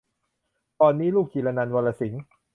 ก่อนนี้ ลูกจิรนันท์ วรรณสิงห์